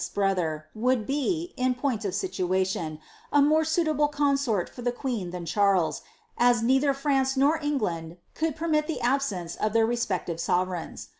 's brother, would be, in point of siiUHtion, a more suitable canaort for the queen than Charles, as neither France nor Eng land could permit the absence of their respective sovereigns.